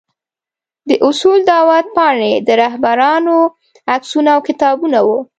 د اصول دعوت پاڼې، د رهبرانو عکسونه او کتابونه وو.